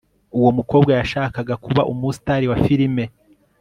Uwo mukobwa yashakaga kuba umustar wa firime